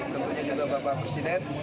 tentunya juga bapak presiden